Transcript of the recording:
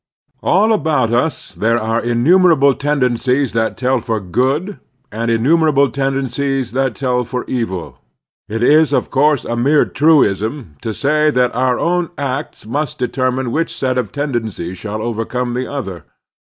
All about us there are inntimerable tendencies that tell for good, and inntimerable tendencies that tell for evil. It is, of course, a mere truism to say that our own acts must determine which set of tendencies shall over 219 220 The Strenuous Life come the other.